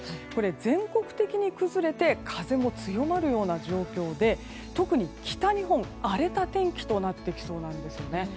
全国的に崩れて風も強まるような状況で特に北日本、荒れた天気となってきそうなんですよね。